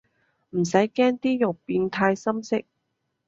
唔使驚啲肉變太深色